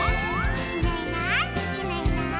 「いないいないいないいない」